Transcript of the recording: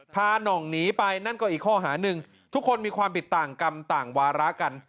หน่องหนีไปนั่นก็อีกข้อหาหนึ่งทุกคนมีความผิดต่างกรรมต่างวาระกัน